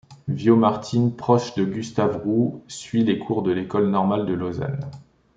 Vio Martin, proche de Gustave Roud, suit les cours de l'école normale de Lausanne.